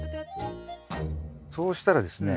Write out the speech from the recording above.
そうしたらですね